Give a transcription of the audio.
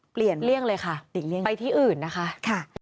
เปลี่ยนเลี่ยงเลยค่ะไปที่อื่นนะคะ